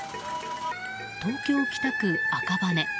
東京・北区赤羽。